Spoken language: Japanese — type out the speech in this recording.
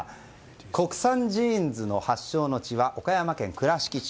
国産ジーンズの発祥の地は岡山県倉敷市。